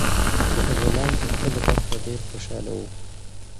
غلام په خپله برخه ډیر خوشاله و.